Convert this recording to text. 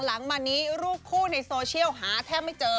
หลังมานี้รูปคู่ในโซเชียลหาแทบไม่เจอ